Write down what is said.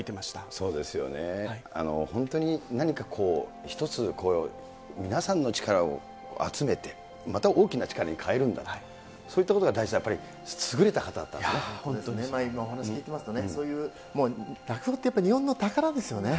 本当に何かこう、一つ皆さんの力を集めて、また大きな力に変えるんだと、そういったことが大地さん、本当に、今お話聞いてますとね、そういう、落語って、やっぱり日本の宝ですよね。